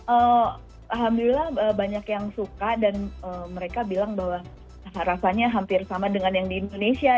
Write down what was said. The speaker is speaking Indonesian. alhamdulillah banyak yang suka dan mereka bilang bahwa rasanya hampir sama dengan yang di indonesia